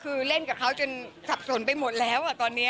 คือเล่นกับเขาจนสับสนไปหมดแล้วตอนนี้